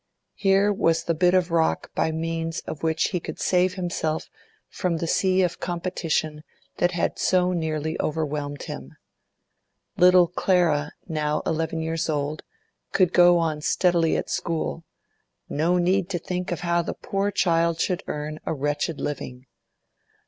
Here was the bit of rock by means of which he could save himself from the sea of competition that had so nearly whelmed him! Little Clara, now eleven years old, could go on steadily at school; no need to think of how the poor child should earn a wretched living.